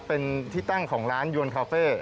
เป็นที่ตั้งของร้านยวนคาเฟ่